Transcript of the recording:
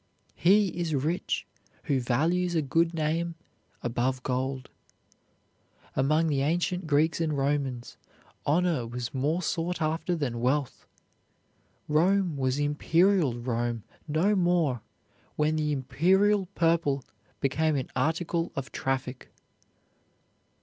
He is rich who values a good name above gold. Among the ancient Greeks and Romans honor was more sought after than wealth. Rome was imperial Rome no more when the imperial purple became an article of traffic.